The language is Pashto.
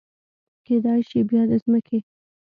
کیدای شي بیا د مځکې